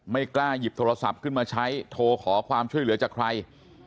ไม่กล้าหยิบโทรศัพท์ขึ้นมาใช้โทรขอความช่วยเหลือจากใคร